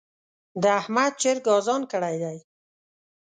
د احمد چرګ اذان کړی دی.